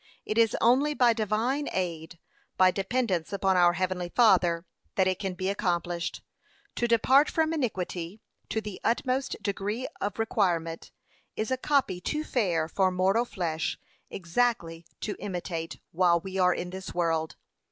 It is only by divine aid, by dependence upon our heavenly Father, that it can be accomplished. 'To depart from iniquity to the utmost degree of requirement, is a copy too fair for mortal flesh exactly to imitate, while we are in this world.